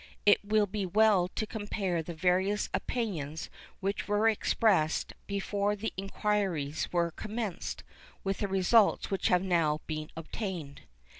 It will be well to compare the various opinions which were expressed before the inquiries were commenced, with the results which have now been obtained.